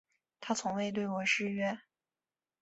他从未对我失约